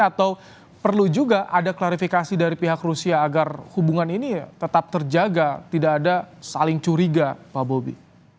atau perlu juga ada klarifikasi dari pihak rusia agar hubungan ini tetap terjaga tidak ada saling curiga pak bobi